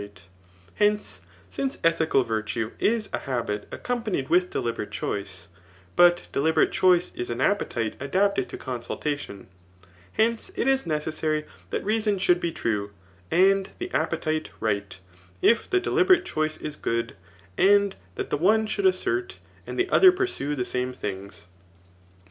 Digitized by Google 212 TH£ HICOMACH£AN BOOK rU Hence, since ethical virtue is a hatnt accompanied with deliberate choice, but deliberate choice is an appetke adapted to consultation ; hence, it is necessary that reascn^ should be true, and the appetite right, if the deliberate choice is good, and that the one should assert, and the other pursue the same things.